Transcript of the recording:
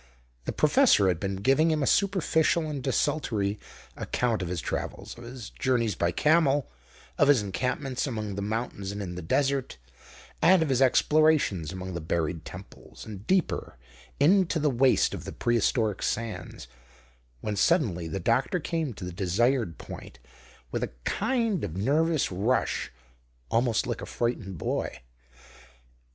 The professor had been giving him a superficial and desultory account of his travels, of his journeys by camel, of his encampments among the mountains and in the desert, and of his explorations among the buried temples, and, deeper, into the waste of the pre historic sands, when suddenly the doctor came to the desired point with a kind of nervous rush, almost like a frightened boy.